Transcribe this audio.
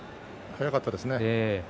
速かったですね